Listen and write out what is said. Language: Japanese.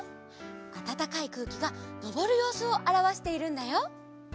あたたかいくうきがのぼるようすをあらわしているんだよ。